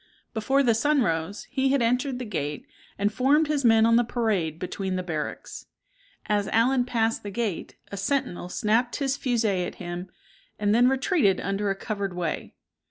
Before the sun rose, he had entered the gate, and formed his men on the parade between the barracks. As Allen passed the gate, a sentinel snapped his fusee at him, and then retreated under a covered way.